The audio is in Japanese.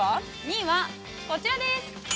２位はこちらです。